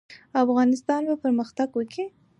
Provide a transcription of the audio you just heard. افغانستان به پرمختګ کوي؟